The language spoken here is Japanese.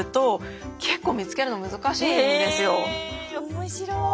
面白い！